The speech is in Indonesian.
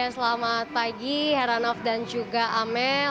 selamat pagi heranov dan juga amel